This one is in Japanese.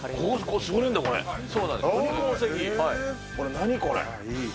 ここ、何これ。